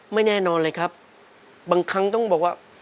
แน่นอนเลยครับบางครั้งต้องบอกว่า